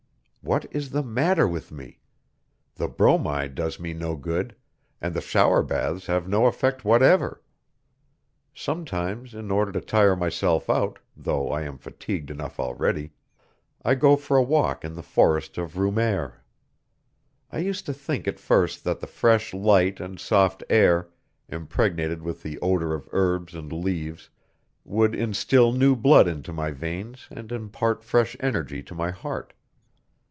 What is the matter with me? The bromide does me no good, and the shower baths have no effect whatever. Sometimes, in order to tire myself out, though I am fatigued enough already, I go for a walk in the forest of Roumare. I used to think at first that the fresh light and soft air, impregnated with the odor of herbs and leaves, would instill new blood into my veins and impart fresh energy to my heart.